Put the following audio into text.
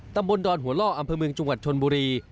ตำบลดอนหัวร่ออำเพมึงจุงกวัตรชนบุรี